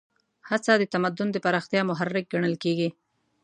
هڅه د تمدن د پراختیا محرک ګڼل کېږي.